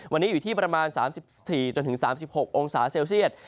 วันนี้อยู่ที่ประมาณ๓๔๓๖องศาเซลเซียต